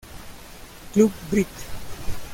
Club Brit.